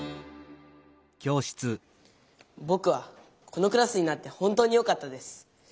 「ぼくはこのクラスになって本当によかったです。